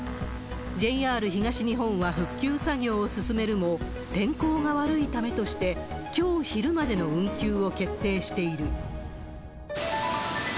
ＪＲ東日本は復旧作業を進めるも、天候が悪いためとして、きょう昼までの運休を決定している。